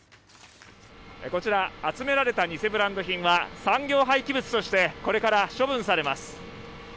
こちら集められた偽ブランド品は産業廃棄物としてこれから処分されます。